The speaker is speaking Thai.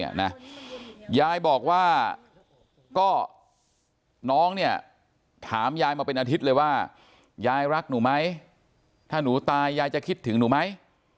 ยายบอกว่าก็น้องเนี่ยถามยายมาเป็นอาทิตย์เลยว่ายายรักหนูไหมถ้าหนูตายยายจะคิดถึงหนูไหม